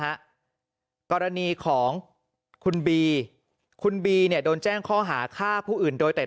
กรณีของคุณบีคุณบีเนี่ยโดนแจ้งข้อหาฆ่าผู้อื่นโดยแต่